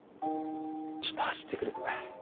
ちょっと走ってくる